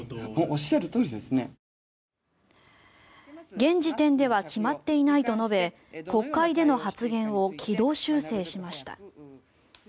現時点では決まっていないと述べ国会での発言を軌道修正しました。